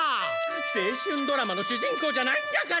青春ドラマの主人公じゃないんだから！